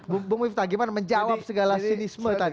bagaimana bu miftah menjawab segala sinisme tadi